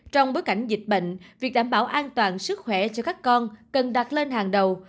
trong bối cảnh dịch bệnh việc đảm bảo an toàn sức khỏe cho các con cần đặt lên hàng đầu